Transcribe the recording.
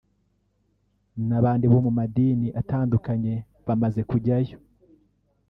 n’abandi bo mu madini atandukanye bamaze kujyayo